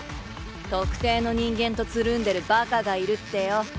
特定の人間とつるんでるバカがいるってよ。